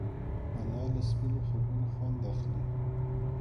انا له سپینو خبرو خوند اخلي